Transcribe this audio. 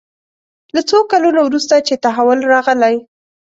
له څو کلونو وروسته چې تحول راغلی.